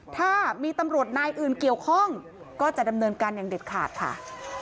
ถ้ามีตำรวจนายอื่นเกี่ยวข้องก็จะดำเนินการอย่างเด็ดขาดค่ะ